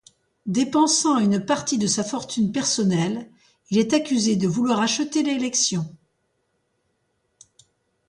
Dépensant une partie de sa fortune personnelle, il est accusé de vouloir acheter l'élection.